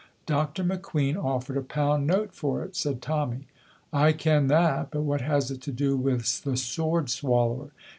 "Dr. McQueen offered a pound note for it," said Tommy. "I ken that, but what has it to do wi' the soord swallower?"